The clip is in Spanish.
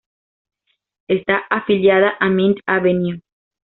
Está afiliada a Mint Avenue.